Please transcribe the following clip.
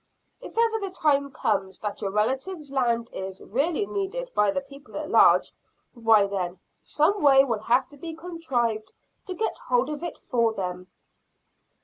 If ever the time comes that your relative's land is really needed by the people at large, why then some way will have to be contrived to get hold of it for them."